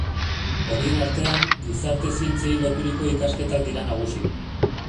Horien artean, gizarte zientziei loturiko ikasketak dira nagusi.